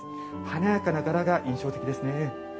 華やかな柄が印象的ですね。